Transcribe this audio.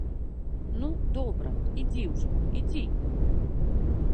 Ну, добра, ідзі ўжо, ідзі!